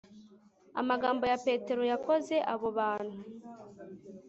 Amagambo ya Petero yakoze abo bantu